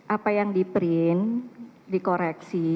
apa yang di print di koreksi